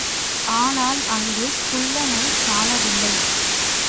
ஆனால், அங்கே குள்ளனைக் காணவில்லை.